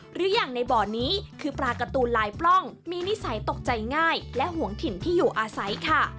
หรืออย่างในบ่อนี้คือปลาการ์ตูนลายปล้องมีนิสัยตกใจง่ายและห่วงถิ่นที่อยู่อาศัยค่ะ